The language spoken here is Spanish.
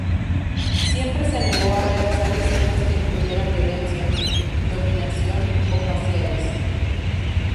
Siempre se negó a realizar escenas que incluyeran violencia, dominación o "faciales".